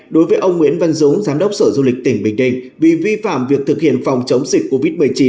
đối với ông nguyễn văn dũng giám đốc sở du lịch tỉnh bình định vì vi phạm việc thực hiện phòng chống dịch covid một mươi chín